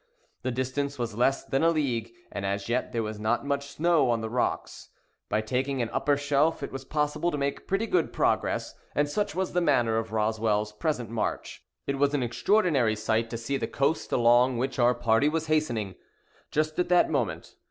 The distance was less than a league; and, as yet, there was not much snow on the rocks. By taking an upper shelf, it was possible to make pretty good progress; and such was the manner of Roswell's present march. It was an extraordinary sight to see the coast along which our party was hastening, just at that moment.